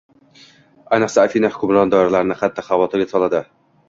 Ayniqsa, Afina hukmron doiralarini qattiq xavotirga soladi